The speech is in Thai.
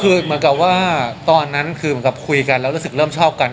คือเหมือนกับว่าตอนนั้นคือเหมือนกับคุยกันแล้วรู้สึกเริ่มชอบกัน